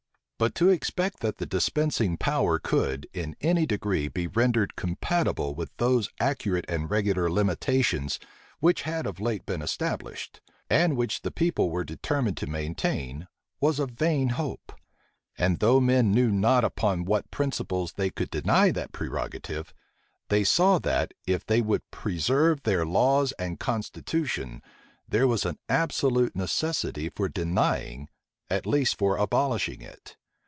But to expect that the dispensing power could, in any degree, be rendered compatible with those accurate and regular limitations which had of late been established, and which the people were determined to maintain, was a vain hope; and though men knew not upon what principles they could deny that prerogative, they saw that, if they would preserve their laws and constitution, there was an absolute necessity for denying, at least for abolishing it.